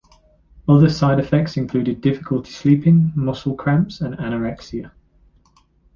Other side effects included difficulty sleeping, muscle cramps and anorexia.